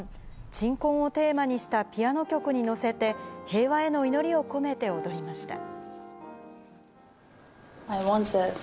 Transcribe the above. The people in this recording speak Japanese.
鎮魂をテーマにしたピアノ曲に乗せて、平和への祈りを込めて踊りました。